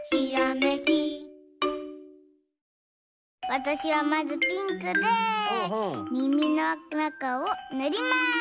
わたしはまずピンクでみみのなかをぬります。